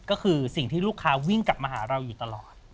ก็คือสิ่งที่ลูกค้าวิ่งกลับมาหาเราอยู่ตลอด